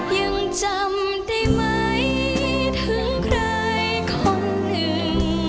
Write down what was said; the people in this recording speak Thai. ยังจำได้ไหมถึงใครคนหนึ่ง